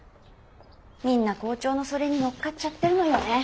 みんな校長のそれに乗っかっちゃってるのよね。